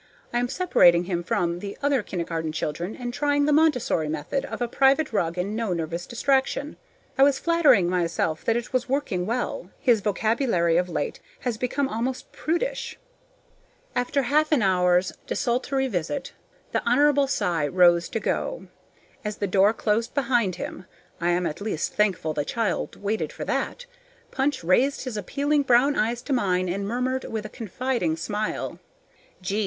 I am separating him from the other kindergarten children, and trying the Montessori method of a private rug and no nervous distraction. I was flattering myself that it was working well; his vocabulary of late has become almost prudish. After half an hour's desultory visit, the Hon. Cy rose to go. As the door closed behind him (I am at least thankful the child waited for that), Punch raised his appealing brown eyes to mine and murmured, with a confiding smile: "Gee!